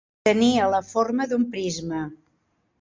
Tenia la forma d'un prisma.